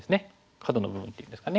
角の部分っていうんですかね。